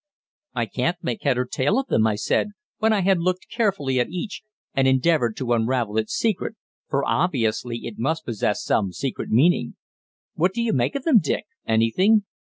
"I can't make head or tail of them," I said when I had looked carefully at each, and endeavoured to unravel its secret, for obviously it must possess some secret meaning. "What do you make of them, Dick anything?"